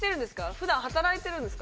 普段働いてるんですか？